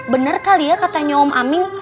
benar kali ya katanya om aming